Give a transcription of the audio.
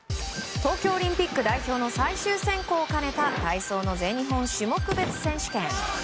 東京オリンピック代表の最終選考を兼ねた体操の全日本種目別選手権。